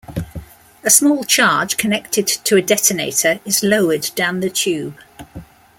A small charge connected to a detonator is lowered down the tube.